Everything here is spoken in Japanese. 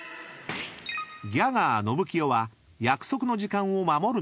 ［ギャガーのぶきよは約束の時間を守るのか？］